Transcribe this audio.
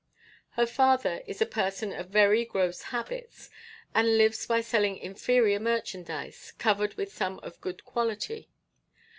Her father is a person of very gross habits, and lives by selling inferior merchandise covered with some of good quality.